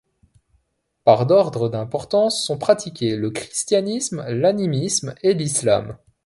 Par ordre d'importance sont pratiquées le christianisme, l'animisme et l'islam.